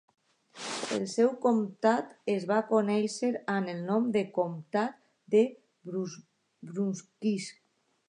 El seu comtat es va conèixer amb el nom de Comtat de Brunswick.